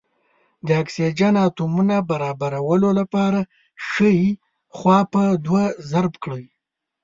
د اکسیجن اتومونو برابرولو لپاره ښۍ خوا په دوه ضرب کړئ.